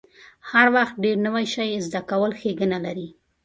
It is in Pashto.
هر وخت ډیر نوی شی زده کول ښېګڼه لري.